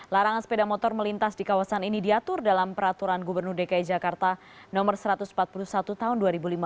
larangan sepeda motor melintas di kawasan ini diatur dalam peraturan gubernur dki jakarta no satu ratus empat puluh satu tahun dua ribu lima belas